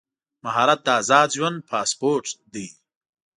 مهارت د ازاد ژوند پاسپورټ دی.